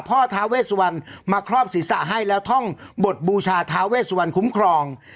ท้าเวสวันมาครอบศีรษะให้แล้วท่องบทบูชาท้าเวสวันคุ้มครอง